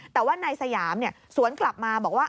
แต่ว่านายสยามสวนกลับมาบอกว่า